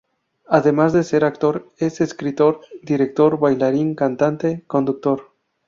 Además de ser actor es escritor, director, bailarín, cantante, conductor.